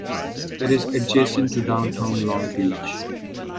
It is adjacent to Downtown Long Beach.